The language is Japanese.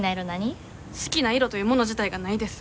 好きな色というもの自体がないです。